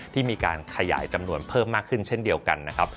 ที่มีการขยายจำนวนเพิ่มมากขึ้นเช่นเดียวกันนะครับ